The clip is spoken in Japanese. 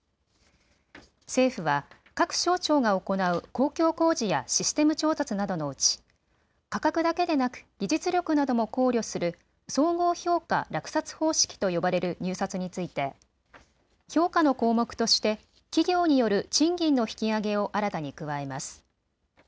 政府は各省庁が行う公共工事やシステム調達などのうち、価格だけでなく技術力なども考慮する総合評価落札方式と呼ばれる入札について、評価の項目として企業による賃金の引き上げを新たに加えます。